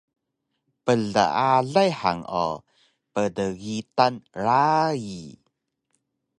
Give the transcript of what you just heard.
Plealay han o pdgitan rayi